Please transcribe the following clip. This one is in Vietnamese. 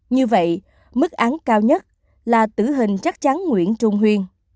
như vậy mức án cao nhất là tử hình chắc chắn nguyễn trung huyên